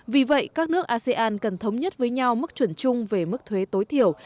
vì vậy các nước asean cần thống nhất với nhau mức chuẩn chung về mức thuế tối thiểu